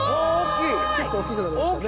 結構大きくなりましたね。